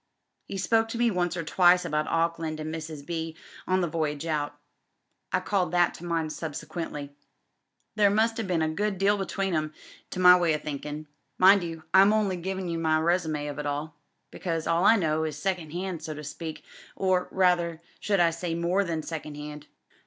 'E spoke to me once or twice about Auckland and Mrs. B. on the voyage out. I called that to mind subsequently. There must 'ave been a good deal between 'em, to my way o' thinkin'. Mind you I'm only giving you my rSsumS of it all, because all I know is second hand so to speak, or rather I should say more than second 'and."